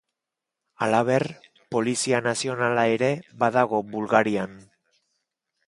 Halaber, Polizia nazionala ere badago Bulgarian.